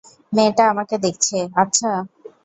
মেয়েটা আমাকে দেখছে, আচ্ছা।